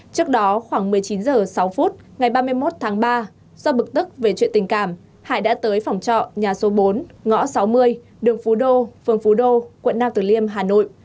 trước đó khoảng một mươi chín h sáu phút ngày ba mươi một tháng ba do bực tức về chuyện tình cảm hải đã tới phòng trọ nhà số bốn ngõ sáu mươi đường phú đô phường phú đô quận nam tử liêm hà nội